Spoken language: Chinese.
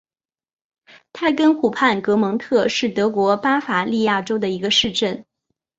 泰根湖畔格蒙特是德国巴伐利亚州的一个市镇。